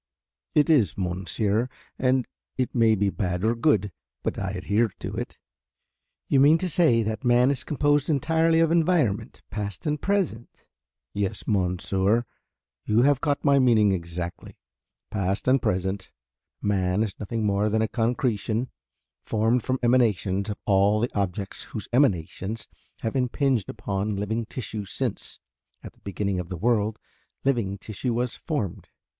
"It is, monsieur, and it may be bad or good but I adhere to it." "You mean to say that man is composed entirely of environment, past and present?" "Yes, monsieur, you have caught my meaning exactly. Past and present. Man is nothing more than a concretion formed from emanations of all the objects whose emanations have impinged upon living tissue since, at the beginning of the world, living tissue was formed.